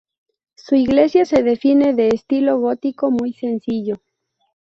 Su iglesia se define de estilo gótico muy sencillo.